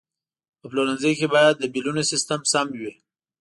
په پلورنځي کې باید د بیلونو سیستم سم وي.